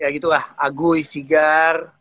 ya gitu lah aguy sigar